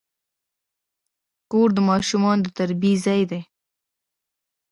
کور د ماشومانو د تربیې ځای دی.